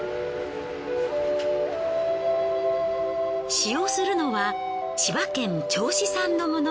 使用するのは千葉県銚子産のもの。